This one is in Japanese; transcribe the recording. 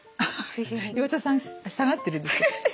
岩田さん下がってるんです。